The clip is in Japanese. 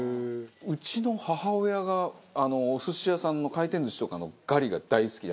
うちの母親がお寿司屋さんの回転寿司とかのガリが大好きで。